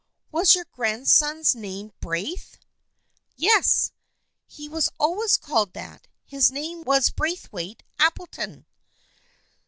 " Was your grandson's name Braith ?"" Yes," he was always called that. His name was Braith waite Appleton."